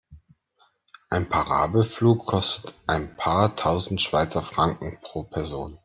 Ein Parabelflug kostet ein paar tausend Schweizer Franken pro Person.